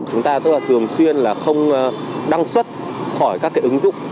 chúng ta thường xuyên không đăng xuất khỏi các ứng dụng